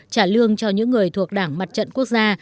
trả lương cho những người thuộc đảng mặt trận quốc gia